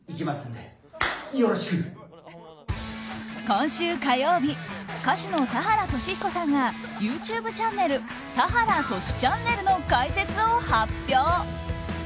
今週火曜日歌手の田原俊彦さんがＹｏｕＴｕｂｅチャンネル「田原トシちゃんねる！」の開設を発表。